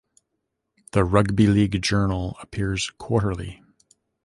The Rugby League Journal appears quarterly.